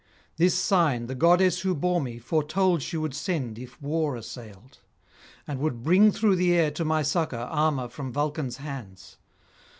This sign the goddess who bore me foretold she would send if war assailed, and would bring through the air to my succour armour from Vulcan's hands.